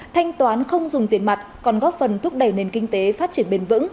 thanh toán không dùng tiền mặt còn góp phần thúc đẩy nền kinh tế phát triển bền vững